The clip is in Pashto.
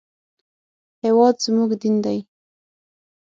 هېواد زموږ دین دی